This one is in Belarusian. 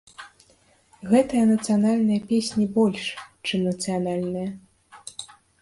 Гэтыя нацыянальныя песні больш, чым нацыянальныя.